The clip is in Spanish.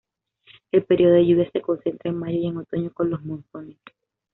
El periodo de lluvias se concentra en mayo y en otoño, con los monzones.